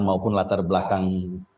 maupun latar belakang